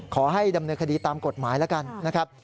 ขอให้ดำเนินคดีตามกฎหมายแล้วกันนะครับ